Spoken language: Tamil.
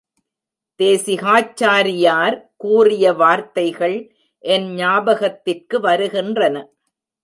தேசிகாச்சாரியார் கூறிய வார்த்தைகள் என் ஞாபகத்திற்கு வருகின்றன.